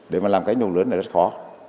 để mà làm cái nhu lưỡng này rất khó